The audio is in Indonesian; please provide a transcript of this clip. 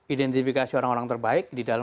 identifikasi orang orang terbaik di dalam